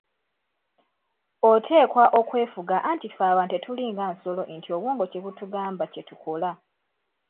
Oteekwa okwefuga anti ffe abantu tetulinga nsolo nti obwongo kyebutugamba kye tukola.